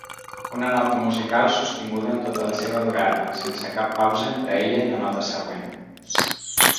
Una nota musical sostinguda en tota la seva durada, sense cap pausa entre ella i la nota següent